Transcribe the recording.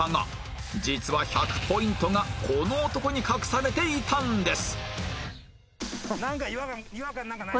実は１００ポイントがこの男に隠されていたんです